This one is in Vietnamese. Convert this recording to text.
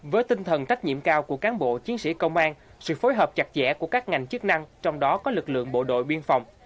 với tinh thần trách nhiệm cao của cán bộ chiến sĩ công an sự phối hợp chặt chẽ của các ngành chức năng trong đó có lực lượng bộ đội biên phòng